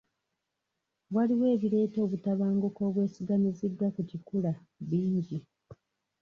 Waliwo ebireeta obutabanguko obwesigamiziddwa ku kikula bingi.